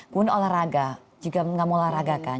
kemudian olahraga juga tidak mau olahraga kan